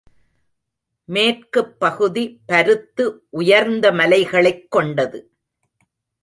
மேற்குப்பகுதி பருத்து உயர்ந்த மலைகளைக் கொண்டது.